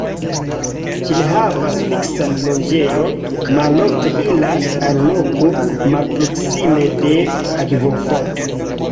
Ĝi ne havas fiksan loĝejon, malofte iras al loko malproksime de akvofonto.